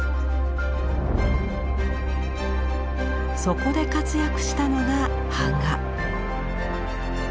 そこで活躍したのが版画。